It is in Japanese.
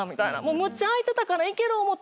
「むっちゃ空いてたからいける思て。